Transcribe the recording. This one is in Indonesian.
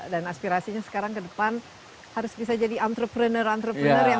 dan aspirasinya sekarang ke depan harus bisa jadi entrepreneur entrepreneur yang menghasilkan komoditas